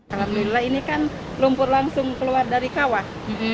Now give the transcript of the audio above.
alhamdulillah ini kan lumpur langsung keluar dari kawah